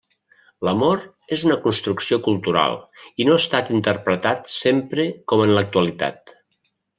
L'amor és una construcció cultural i no ha estat interpretat sempre com en l’actualitat.